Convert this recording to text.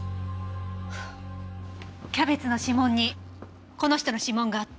キャベツの指紋にこの人の指紋があった。